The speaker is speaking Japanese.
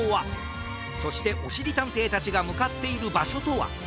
そしておしりたんていたちがむかっているばしょとは？